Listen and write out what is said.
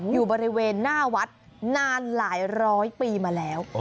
อยู่บริเวณหน้าวัดนานหลายร้อยปีมาแล้ว